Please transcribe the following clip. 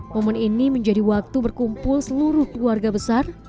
momen ini menjadi waktu berkumpul seluruh keluarga besar